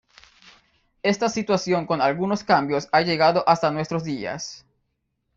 Esta situación con algunos cambios ha llegado hasta nuestros días.